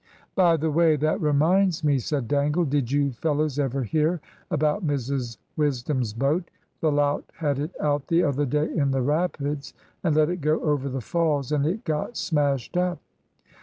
"By the way, that reminds me," said Dangle; "did you fellows ever hear about Mrs Wisdom's boat? The lout had it out the other day in the rapids, and let it go over the falls, and it got smashed up."